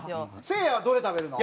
せいやはどれ食べるの？